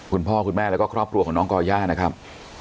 คุณพ่อคุณแม่แล้วก็ครอบครัวของน้องก่อย่านะครับ